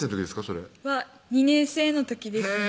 それ２年生の時ですね